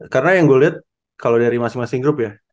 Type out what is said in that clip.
karena yang gua liat kalo dari masing masing grup ya